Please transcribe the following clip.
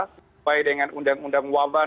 sesuai dengan undang undang wabah